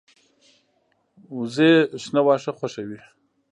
وزې شنه واښه خوښوي